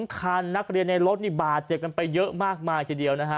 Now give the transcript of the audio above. คันนักเรียนในรถนี่บาดเจ็บกันไปเยอะมากมายทีเดียวนะฮะ